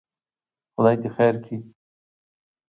خدای دې خیر کړي.